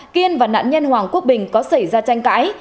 kiên và nạn nhân hoàng quốc bình có xảy ra tranh cãi